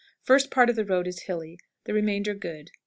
First part of the road is hilly; the remainder good.